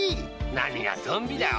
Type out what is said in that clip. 何がトンビだよ。